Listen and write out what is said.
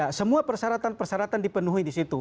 nah itu juga persyaratan persyaratan dipenuhi di situ